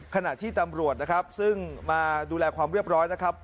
ขณะที่ตำรวจนะครับซึ่งมาดูแลความเรียบร้อยนะครับ